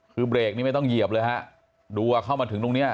คือเบรกนี้ไม่ต้องเหยียบเลยฮะดูว่าเข้ามาถึงตรงเนี้ย